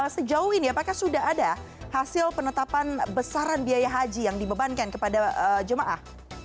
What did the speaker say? sejauh ini apakah sudah ada hasil penetapan besaran biaya haji yang dibebankan kepada jemaah